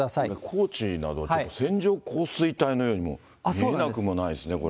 高知など、ちょっと線状降水帯のようにも見えなくもないです